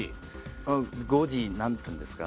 ５時何分ですか？